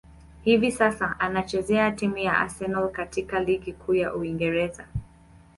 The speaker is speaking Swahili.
Hivi sasa, anachezea timu ya Arsenal katika ligi kuu ya Uingereza.